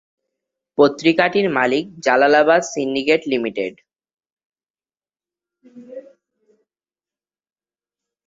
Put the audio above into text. পত্রিকাটির মালিক জালালাবাদ সিন্ডিকেট লিঃ।